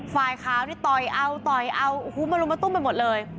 ฝ่ายขาวนี่ต่อยเอาต่อยเอาโอ้โหมารุมมาตุ้มไปหมดเลย